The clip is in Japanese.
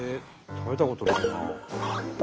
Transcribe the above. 食べたことないな。